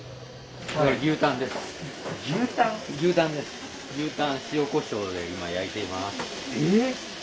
牛タンです。